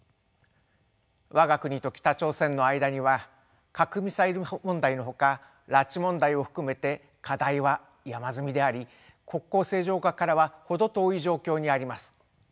わが国と北朝鮮の間には核ミサイル問題のほか拉致問題を含めて課題は山積みであり国交正常化からは程遠い状況にあります。